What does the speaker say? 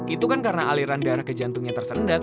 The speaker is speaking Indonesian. itu kan karena aliran darah ke jantungnya tersendat